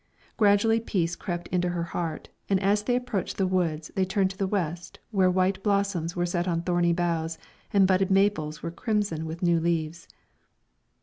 Gradually peace crept into her heart, and as they approached the woods they turned to the west, where white blossoms were set on thorny boughs and budded maples were crimson with new leaves.